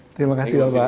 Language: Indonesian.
terima kasih bapak